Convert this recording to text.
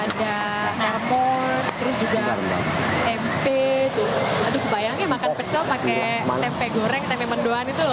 ada air force tempe aduh bayangin makan pecah pake tempe goreng tempe mendoan itu